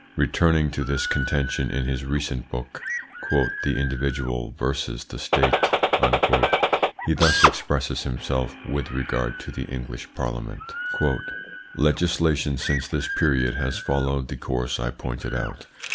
Returning to this contention in his recent book, "The Individual versus the State," he thus expresses himself with regard to the English Parliament: "Legislation since this period has followed the course, I pointed out.